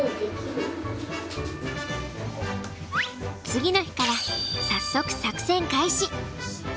次の日から早速作戦開始。